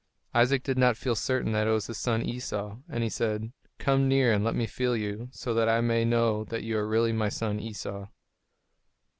Isaac did not feel certain that it was his son Esau, and he said, "Come near and let me feel you, so that I may know that you are really my son Esau."